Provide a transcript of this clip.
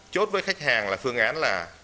chốt với khách hàng là phương án là